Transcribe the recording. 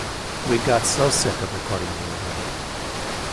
We'd got so sick of recording the old way.